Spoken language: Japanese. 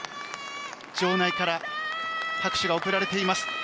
場内から拍手が送られています。